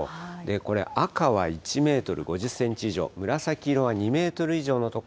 これ、赤は１メートル５０センチ以上、紫色は２メートル以上の所